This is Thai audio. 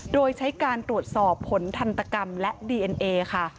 โดยใช้การตรวจสอบผลทันตกรรมและดีเอ็นเอค่ะ